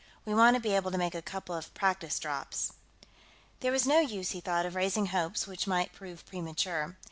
We want to be able to make a couple of practice drops." There was no use, he thought, of raising hopes which might prove premature.